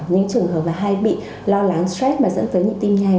những trường hợp hay bị lo lắng stress mà dẫn tới nhịp tim nhai